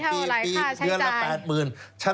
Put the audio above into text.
ปีไหนเท่าไหร่ค่าใช้จ่าย